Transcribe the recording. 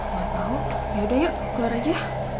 gak tau yaudah yuk keluar aja ya